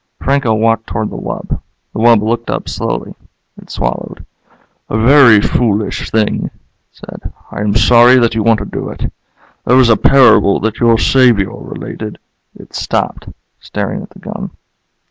Franco walked toward the wub. The wub looked up slowly. It swallowed. "A very foolish thing," it said. "I am sorry that you want to do it. There was a parable that your Saviour related " It stopped, staring at the gun.